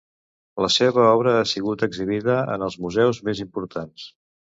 La seva obra ha sigut exhibida en els museus més importants.